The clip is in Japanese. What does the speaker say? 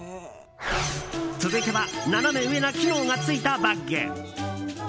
続いてはナナメ上な機能がついたバッグ。